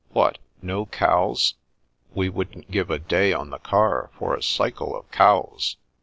"What I No Cowes?" " We wouldn't give a day on the car for a cycle of Cowes."